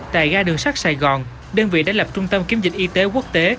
tại ga đường sát sài gòn đơn vị đã lập trung tâm kiếm dịch y tế quốc tế